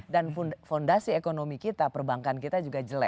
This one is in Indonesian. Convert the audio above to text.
fondasi ekonomi kita perbankan kita juga jelek